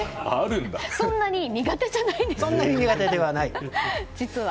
そんなに苦手じゃないんです。